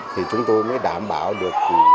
thì chúng tôi mới đảm bảo được